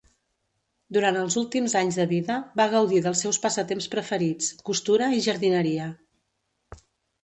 Durant els últims anys de vida, va gaudir dels seus passatemps preferits: costura i jardineria.